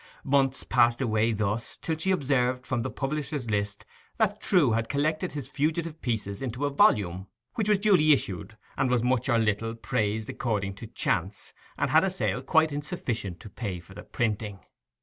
Months passed away thus, till she observed from the publishers' list that Trewe had collected his fugitive pieces into a volume, which was duly issued, and was much or little praised according to chance, and had a sale quite sufficient to pay for the printing.